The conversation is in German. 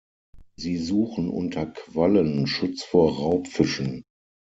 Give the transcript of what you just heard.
Sie suchen unter Quallen Schutz vor Raubfischen.